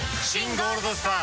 ゴールドスター」！